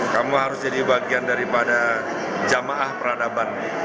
kamu harus jadi bagian daripada jamaah peradaban